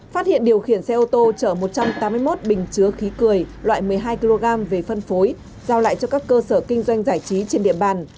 phát hiện điều khiển xe ô tô chở một trăm tám mươi một bình chứa khí cười loại một mươi hai kg về phân phối giao lại cho các cơ sở kinh doanh giải trí trên địa bàn